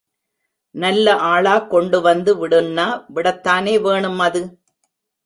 நல்ல ஆளா கொண்டு வந்து விடுன்னா விடத்தானே வேணும் அது?